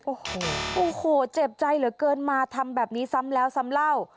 โอ้โหโอ้โหเจ็บใจเหลือเกินมาทำแบบนี้ซ้ำแล้วซ้ำเล่า